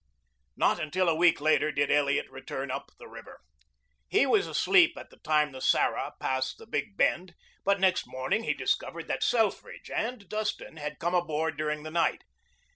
Not till a week later did Elliot return up the river. He was asleep at the time the Sarah passed the big bend, but next morning he discovered that Selfridge and Dustin had come aboard during the night.